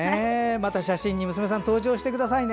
写真に娘さん、また登場してくださいね。